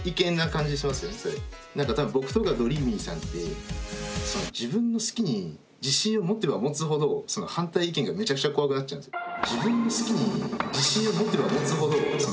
なんか多分僕とかどりーみぃさんって自分の好きに自信を持てば持つほど反対意見がめちゃくちゃ怖くなっちゃうんですよ。